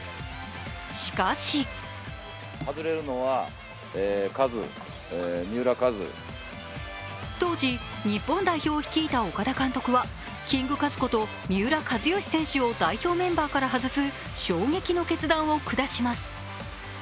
しかし当時、日本代表を率いた岡田監督はキングカズこと三浦知良選手を代表メンバーから外す衝撃の決断を下します。